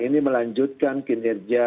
ini melanjutkan kinerja